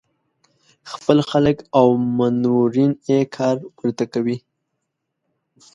خپل خلک او منورین یې کار ورته کوي.